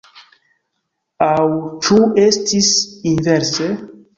Aŭ ĉu estis inverse?